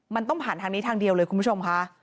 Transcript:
มันต้องผ่านทางนี้ทางเดียวเลยคุณผู้ชมค่ะ